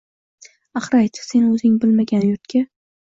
Axir, ayt, sen o’zing bilmagan yurtga